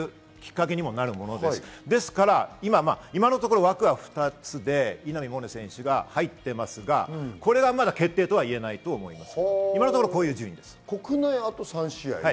ですから、今のところ枠は２つで稲見萌寧選手が入っていますが、まだ決定とはいえないと思います。